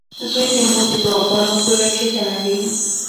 • زوی د مور د دعاګانو پوره کېدنه وي.